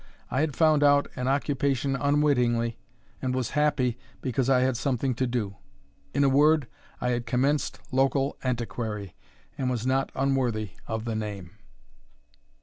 I had found out an occupation unwittingly, and was happy because I had something to do. In a word, I had commenced local antiquary, and was not unworthy of the name.